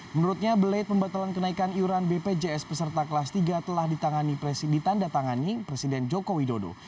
menurutnya beled pembatalan kenaikan iuran bpjs peserta kelas tiga telah ditandatangani presiden joko widodo